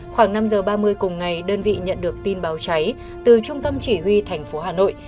khoảng năm h ba mươi cùng ngày đơn vị nhận được tin báo cháy từ trung tâm chỉ huy tp hà nội